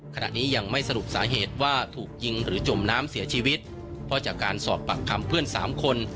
ขณะนี้ยังไม่สรุปสาเหตุว่าถูกยิงหรือจมน้ำเสียชีวิตเพราะจากการสอบปากคำเพื่อนสามคน